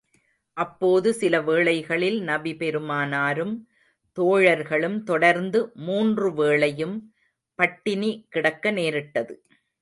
அப்போது சில வேளைகளில் நபி பெருமானாரும், தோழர்களும் தொடர்ந்து மூன்று வேளையும் பட்டினி கிடக்க நேரிட்டது.